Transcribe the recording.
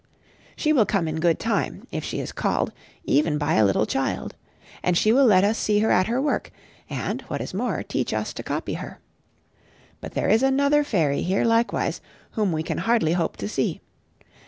She will come in good time, if she is called, even by a little child. And she will let us see her at her work, and, what is more, teach us to copy her. But there is another fairy here likewise, whom we can hardly hope to see.